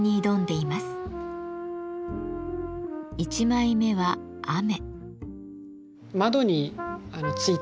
１枚目は「雨」。